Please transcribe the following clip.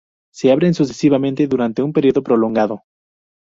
Se abren sucesivamente durante un período prolongado.